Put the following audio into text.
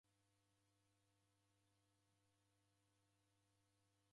Nachi w'aralwa w'eni kwa w'eni.